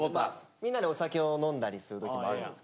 みんなでお酒を飲んだりする時もあるんですけど